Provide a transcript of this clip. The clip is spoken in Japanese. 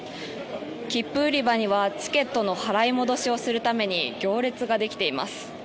切符売り場にはチケットの払い戻しをするために行列ができています。